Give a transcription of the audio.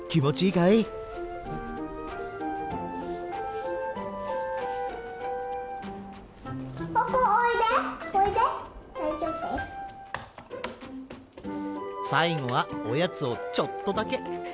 さいごはおやつをちょっとだけ。